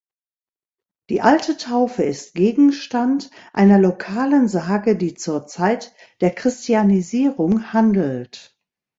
Die Alte Taufe ist Gegenstand einer lokalen Sage, die zur Zeit der Christianisierung handelt.